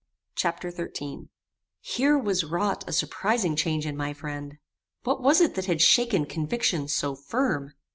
Chapter XIII Here was wrought a surprizing change in my friend. What was it that had shaken conviction so firm?